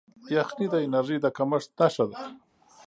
یخني د انرژۍ د کمښت نښه ده.